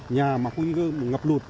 nhà mà khu vực ngập lụt